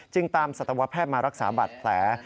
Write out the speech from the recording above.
ตามสัตวแพทย์มารักษาบัตรแผล